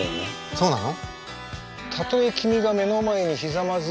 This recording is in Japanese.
そうなの？